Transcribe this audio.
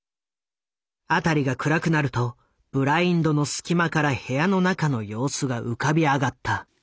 辺りが暗くなるとブラインドの隙間から部屋の中の様子が浮かび上がった。